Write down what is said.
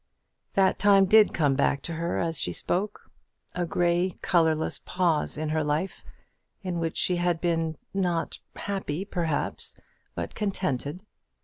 That time did come back to her as she spoke: a grey colourless pause in her life, in which she had been not happy, perhaps, but contented.